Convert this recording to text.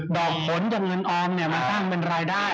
อกผลจากเงินออมมาสร้างเป็นรายได้